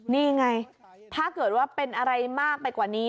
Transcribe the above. นี่ไงถ้าเกิดว่าเป็นอะไรมากไปกว่านี้